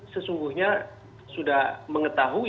sesungguhnya sudah mengetahui